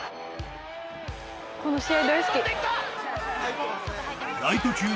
「この試合大好き」